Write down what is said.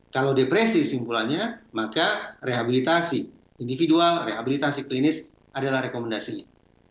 kalau depresi kesimpulannya maka rehabilitasi individual rehabilitasi klinis adalah rekomendasinya